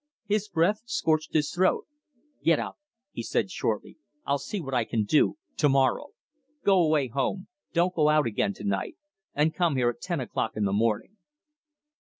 His breath scorched his throat. "Get up!" he said shortly. "I'll see what I can do to morrow. Go away home. Don't go out again to night. And come here at ten o'clock in the morning."